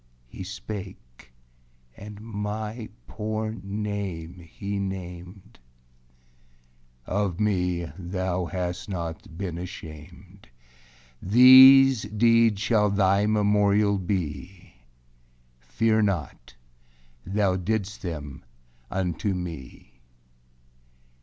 He spake, and my poor name he named, âOf me thou hast not been ashamed. These deeds shall thy memorial be; Fear not, thou didst them unto me.